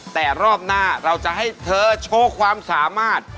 แต่รอบหน้าเราจะให้เธอโชว์ความสามารถ